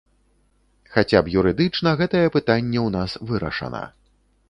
Хаця б юрыдычна гэтае пытанне ў нас вырашана.